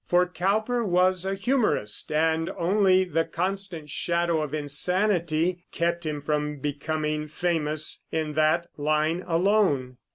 For Cowper was a humorist, and only the constant shadow of insanity kept him from becoming famous in that line alone.